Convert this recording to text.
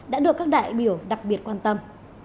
đã được các đại biểu đặc biệt quan tâm